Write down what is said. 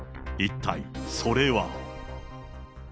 一体、それは。